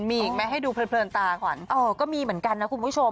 มีอีกมั้ยให้ดูเผลอตาก่อนอ่อก็มีเหมือนกันนะคุณผู้ชม